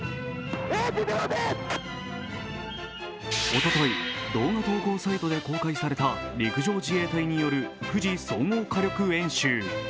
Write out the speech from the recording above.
おととい動画投稿サイトで公開された陸上自衛隊による富士総合火力演習。